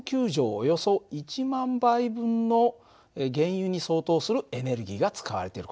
およそ１万杯分の原油に相当するエネルギーが使われてる事になるね。